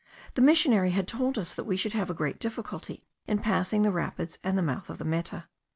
The missionary had told us that we should have great difficulty in passing the rapids and the mouth of the Meta.